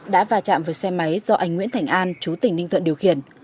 đã và chạm với xe máy do anh nguyễn thành an chú tỉnh ninh thuận điều khiển